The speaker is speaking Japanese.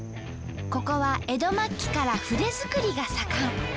ここは江戸末期から筆作りが盛ん。